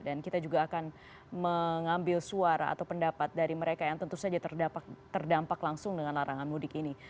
dan kita juga akan mengambil suara atau pendapat dari mereka yang tentu saja terdampak langsung dengan larangan mudik ini